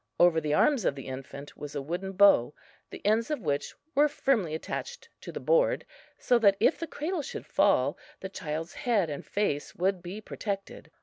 Over the arms of the infant was a wooden bow, the ends of which were firmly attached to the board, so that if the cradle should fall the child's head and face would be protected.